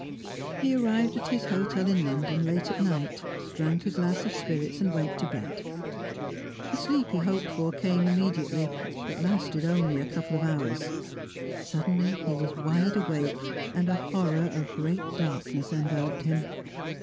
He arrived at his hotel in London late at night, drank a glass of spirits and went to bed. The sleep he hoped for came immediately, but lasted only a couple of hours. Suddenly he was wide awake, and a horror of great darkness enveloped him.